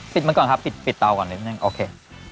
มันก่อนครับปิดเตาก่อนนิดนึงโอเค